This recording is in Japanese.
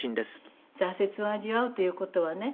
「挫折を味わうという事はね